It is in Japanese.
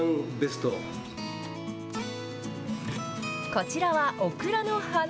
こちらはオクラの花。